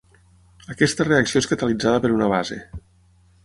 Aquesta reacció és catalitzada per una base.